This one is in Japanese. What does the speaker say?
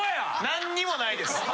何にもないです。